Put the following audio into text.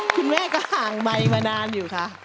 คุณแม่ก็ห่างใบมานานอยู่ค่ะ